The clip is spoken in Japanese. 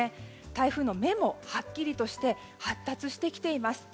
台風の目もはっきりとして発達してきています。